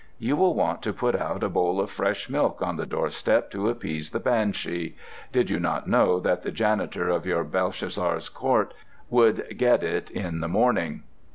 You will want to put out a bowl of fresh milk on the doorstep to appease the banshee—did you not know that the janitor of your Belshazzar Court would get it in the morning.